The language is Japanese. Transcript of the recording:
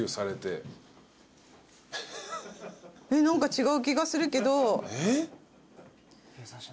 えっ何か違う気がするけど。